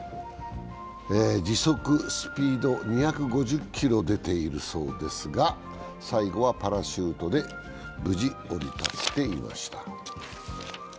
時速スピード２５０キロ出ているそうですが最後はパラシュートで無事、降り立っていました。